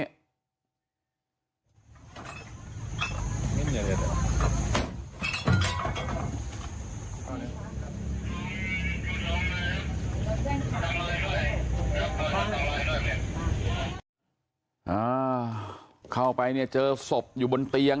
อ่าเข้าไปเนี่ยเจอศพอยู่บนเตียง